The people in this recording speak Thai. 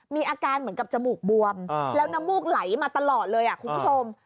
มีอาการเหมือนกับจมูกบวมแล้วน้ำมูกไหลมาตลอดเลยคุณผู้ชม